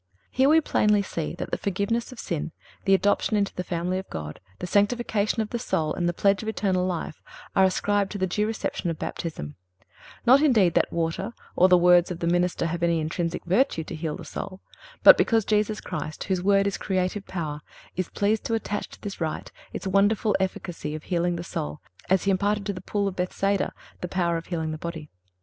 (351) Here we plainly see that the forgiveness of sin, the adoption into the family of God, the sanctification of the soul and the pledge of eternal life are ascribed to the due reception of Baptism—not, indeed, that water or the words of the minister have any intrinsic virtue to heal the soul, but because Jesus Christ, whose word is creative power, is pleased to attach to this rite its wonderful efficacy of healing the soul, as He imparted to the pool of Bethsaida the power of healing the body.